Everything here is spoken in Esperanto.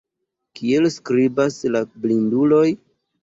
Kiel skribas la blinduloj?